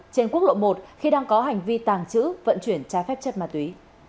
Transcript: trên quốc lộ một khi đang có hành vi tàng trữ vận chuyển trái phép chất ma túy